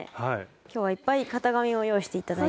今日はいっぱい型紙を用意して頂いたので。